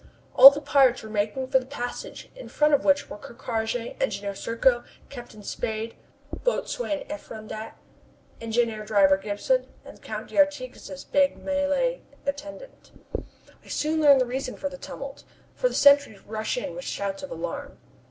All the pirates were making for the passage, in front of which were Ker Karraje, Engineer Serko, Captain Spade, Boatswain Effrondat, Engine driver Gibson and the Count d'Artigas' big Malay attendant. I soon learn the reason for the tumult, for the sentries rush in with shouts of alarm.